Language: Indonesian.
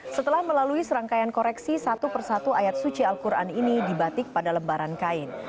setelah melalui serangkaian koreksi satu persatu ayat suci al quran ini dibatik pada lembaran kain